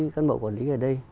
các bộ quản lý ở đây